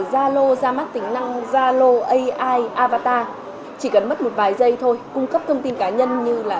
zalo ra mắt tính năng zalo ai avatar chỉ cần mất một vài giây thôi cung cấp thông tin cá nhân như là